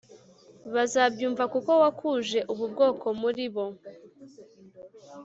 bazabyumva kuko wakuje ubu bwoko muri bo